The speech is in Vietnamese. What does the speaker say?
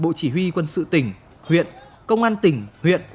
bộ chỉ huy quân sự tỉnh huyện công an tỉnh huyện